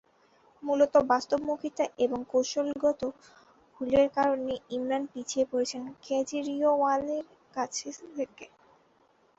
মূলত বাস্তবমুখিতা এবং কৌশলগত ভুলের কারণে ইমরান পিছিয়ে পড়েছেন কেজরিওয়ালের কাছ থেকে।